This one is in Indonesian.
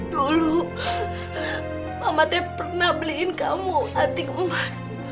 dulu mama teh pernah beliin kamu anting emas